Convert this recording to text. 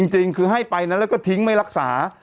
จริงคือให้ไปนะแล้วก็ทิ้งไม่รักษา